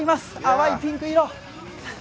淡いピンク色。